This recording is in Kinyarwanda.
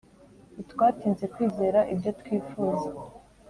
ntitwatinze kwizera ibyo twifuza.